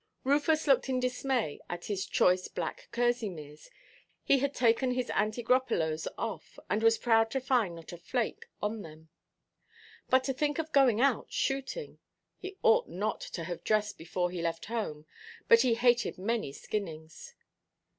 Rufus looked in dismay at his "choice black kerseymeres;" he had taken his "antigropelos" off, and was proud to find not a flake on them. But to think of going out shooting! He ought not to have dressed before he left home, but he hated many skinnings.